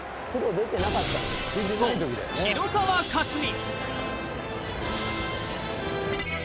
そう広沢克己。